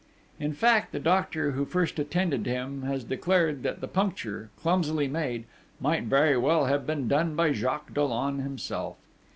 In fact, the doctor who first attended him has declared that the puncture, clumsily made, might very well have been done by Jacques Dollon himself.